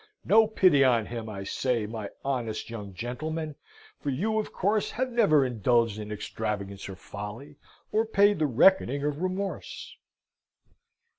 No pity on him, I say, my honest young gentlemen, for you, of course, have never indulged in extravagance or folly, or paid the reckoning of remorse.